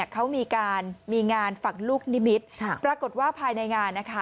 เขามีงานฝังลูกนิมิตปรากฏว่าภายในงาน